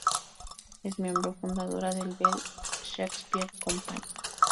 Es miembro fundadora del Bell Shakespeare Company.